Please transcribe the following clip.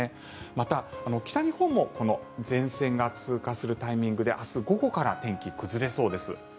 また、北日本もこの前線が通過するタイミングで明日午後から天気が崩れそうです。